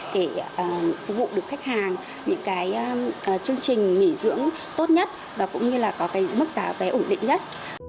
để phục vụ được khách hàng những cái chương trình nghỉ dưỡng tốt nhất và cũng như là có cái mức giá vé ổn định nhất